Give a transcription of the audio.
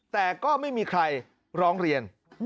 แต่ก็ไม่มีใครร้องเรียน